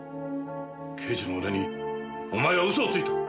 刑事の俺にお前は嘘をついた。